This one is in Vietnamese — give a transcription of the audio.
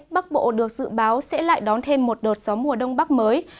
bắc bộ được dự báo sẽ lại đón thêm một đợt gió mùa đông bắc mới